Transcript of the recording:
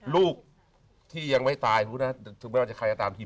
ลูกที่ยังไม่ตายถึงไม่ว่าจะใครก็ตามที